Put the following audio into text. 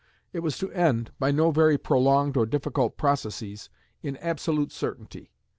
It was to end, by no very prolonged or difficult processes, in absolute certainty.